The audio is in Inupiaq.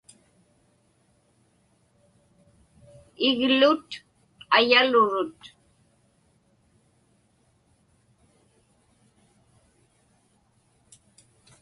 Iglut ayalurut.